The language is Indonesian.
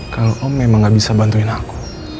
kalau om emang gak bisa bantuin aku